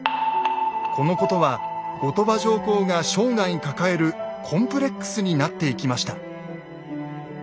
このことは後鳥羽上皇が生涯抱えるコンプレックスになっていきました。